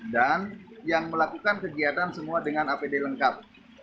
dan yang melakukan kegiatan semua dengan apd lengkap